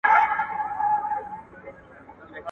د فابريکي کارګرانو نوي تخنيکونه زده کړي وو.